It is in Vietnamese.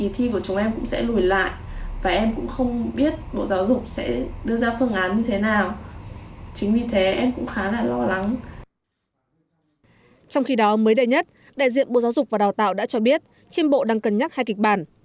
trong khi đó mới đây nhất đại diện bộ giáo dục và đào tạo đã cho biết chiêm bộ đang cân nhắc hai kịch bản